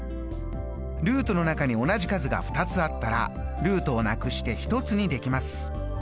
ルートの中に同じ数が２つあったらルートをなくして１つにできます。